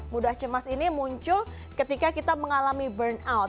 mudah cemas ini muncul ketika kita mengalami burnout